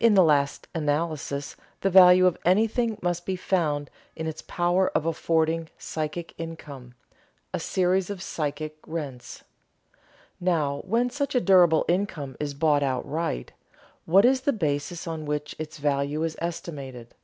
In the last analysis the value of anything must be found in its power of affording psychic income, a series of psychic rents. Now when such a durable income is bought outright, what is the basis on which its value is estimated?